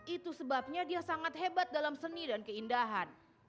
itu sebabnya dia sangat hebat dalam seni dan keindahan